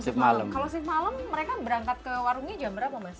kalau shift malam mereka berangkat ke warungnya jam berapa mas